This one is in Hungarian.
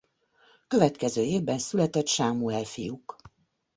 Következő évben született Sámuel fiuk.